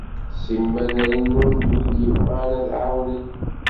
Simmal rennun-d wid yebɣan ad d-εawnen.